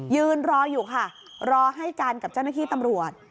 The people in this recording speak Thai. ยืนรออยู่ค่ะรอให้กันกับเจ้าหน้าที่ตำรวจ